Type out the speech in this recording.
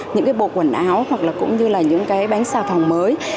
những cái bộ quần áo hoặc là cũng như là những cái bánh xà phòng mới